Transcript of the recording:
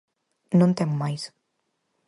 Non ten máis.